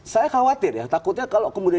saya khawatir ya takutnya kalau kemudian